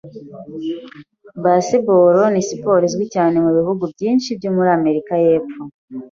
Baseball ni siporo izwi cyane mu bihugu byinshi byo muri Amerika y'Epfo.